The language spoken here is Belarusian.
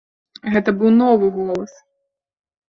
Гэта быў новы голас.